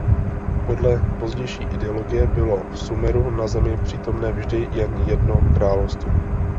Podle pozdější ideologie bylo v Sumeru na Zemi přítomné vždy jen jedno království.